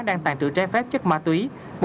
đang tàn trữ trái phép chất ma túy